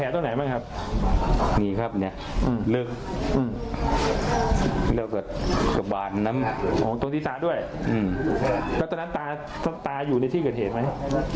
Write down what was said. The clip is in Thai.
ตรงที่สาด้วยตอนนั้นตาอยู่ในที่เกิดเห็นไหม